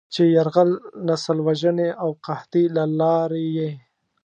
چې د "يرغل، نسل وژنې او قحطۍ" له لارې یې